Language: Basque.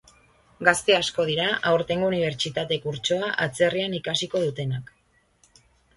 Gazte asko dira aurtengo unibertsitate kurtsoa atzerrian ikasiko dutenak.